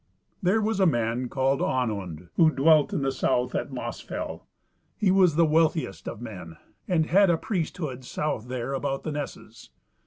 There was a man called Onund, who dwelt in the south at Mossfell: he was the wealthiest of men, and had a priesthood south there about the nesses.